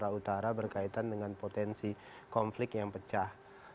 utara utara berkaitan dengan potensi konflik yang pecah